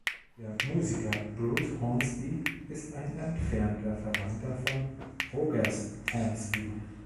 Der Musiker Bruce Hornsby ist ein entfernter Verwandter von Rogers Hornsby.